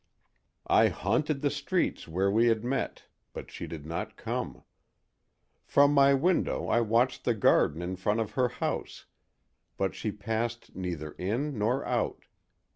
I haunted the streets where we had met, but she did not come. From my window I watched the garden in front of her house, but she passed neither in nor out.